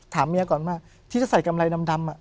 ถามเมียก่อนว่าที่จะใส่กำไรดำ